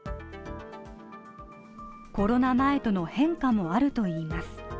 コロナ前との変化もあるといいます。